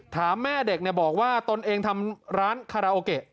ถามแม่เด็กเนี่ยบอกว่าตนเองทำร้านคาราโอเก่